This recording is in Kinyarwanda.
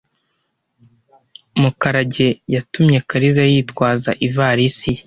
Mukarage yatumye Kariza yitwaza ivalisi ye.